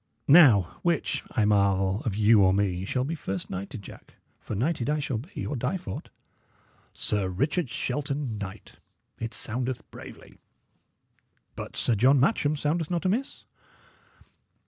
Now, which, I marvel, of you or me, shall be first knighted, Jack? for knighted I shall be, or die for 't. 'Sir Richard Shelton, Knight': it soundeth bravely. But 'Sir John Matcham' soundeth not amiss."